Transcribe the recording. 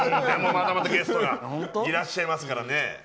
まだまだゲストがいらっしゃいますからね。